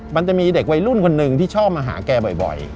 มันจะมีเด็กวัยรุ่นคนหนึ่งที่ชอบมาหาแกบ่อย